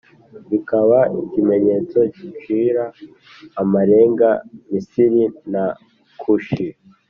bikaba ikimenyetso gicira amarenga Misiri na Kushi.